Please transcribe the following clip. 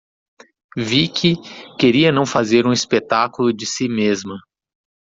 Vicky queria não fazer um espetáculo de si mesma.